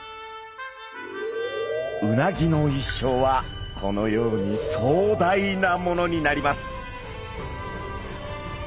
うなぎの一生はこのようにそうだいなものになります。